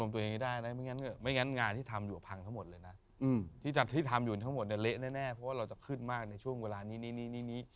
ตัวเองไม่งั้นงานที่ทำอยู่พังทั้งหมดเลยนะที่ทำอยู่ทั้งหมดเนี่ยเละแน่เพราะว่าเราจะขึ้นมากในช่วงเวลานี้